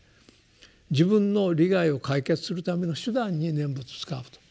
自分の利害を解決するための手段に念仏を使うと。